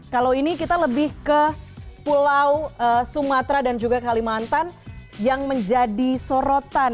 kalau ini kita lebih ke pulau sumatera dan juga kalimantan yang menjadi sorotan